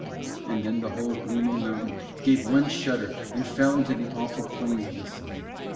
And then the whole gleaming mountain gave one shudder and fell into the awful plains of the Sun.